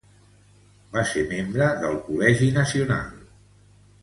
Va ser membre del Col·legi Nacional.